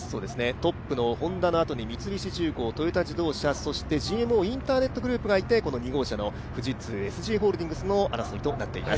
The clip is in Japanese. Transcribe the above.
トップのＨｏｎｄａのあとに三菱重工トヨタ自動車、ＧＭＯインターネットグループがいてこの２号車の富士通、ＳＧホールディングスの争いとなっています。